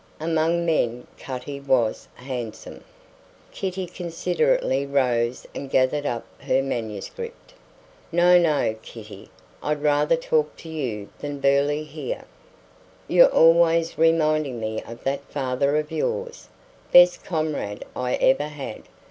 Among men Cutty was handsome. Kitty considerately rose and gathered up her manuscript. "No, no, Kitty! I'd rather talk to you than Burly, here. You're always reminding me of that father of yours. Best comrade I ever had.